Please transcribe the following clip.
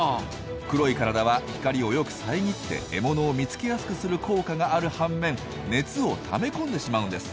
黒い体は光をよくさえぎって獲物を見つけやすくする効果がある半面熱をためこんでしまうんです。